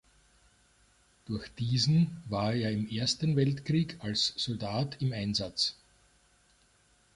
Durch diesen war er im Ersten Weltkrieg als Soldat im Einsatz.